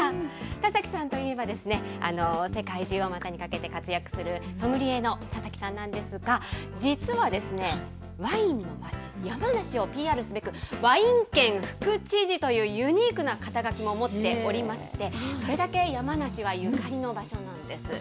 田崎さんといえばですね、世界中をまたにかけて活躍する、ソムリエの田崎さんなんですが、実はですね、ワインの町、山梨をＰＲすべく、ワイン県副知事というユニークな肩書も持っておりまして、それだけ山梨はゆかりの場所なんです。